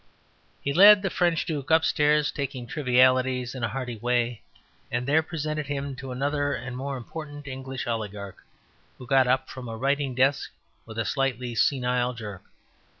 He led the French Duke upstairs, talking trivialties in a hearty way, and there presented him to another and more important English oligarch, who got up from a writing desk with a slightly senile jerk.